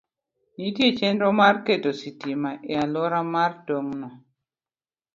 Nitie chenro mar keto sitima e alwora mar tong'no.